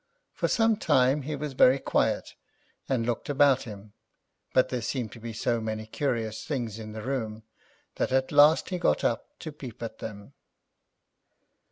For some time he was very quiet, and looked about him, but there seemed to be so many curious things in the room that, at last, he got up to peep at them.